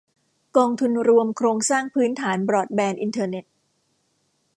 กองทุนรวมโครงสร้างพื้นฐานบรอดแบนด์อินเทอร์เน็ต